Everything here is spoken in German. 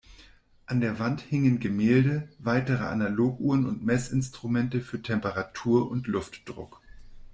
An der Wand hingen Gemälde, weitere Analoguhren und Messinstrumente für Temperatur und Luftdruck.